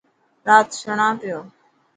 رات سڻان پيو.